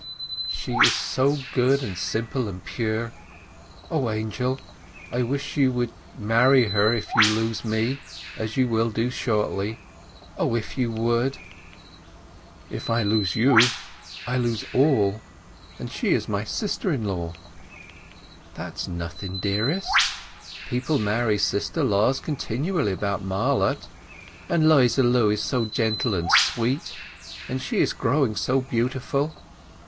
"She is so good and simple and pure. O, Angel—I wish you would marry her if you lose me, as you will do shortly. O, if you would!" "If I lose you I lose all! And she is my sister in law." "That's nothing, dearest. People marry sister laws continually about Marlott; and 'Liza Lu is so gentle and sweet, and she is growing so beautiful.